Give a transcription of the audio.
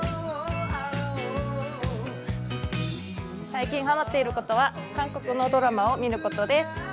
最近ハマっていることは韓国のドラマを見ることです。